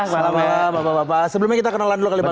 selamat malam bapak bapak sebelumnya kita kenalan dulu kali bapak